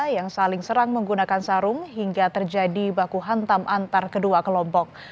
yang saling serang menggunakan sarung hingga terjadi baku hantam antar kedua kelompok